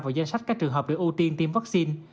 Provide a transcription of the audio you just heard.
vào danh sách các trường hợp để ưu tiên tiêm vaccine